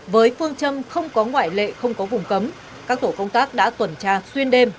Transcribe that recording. với phương châm không có ngoại lệ không có vùng cấm các tổ công tác đã tuần tra xuyên đêm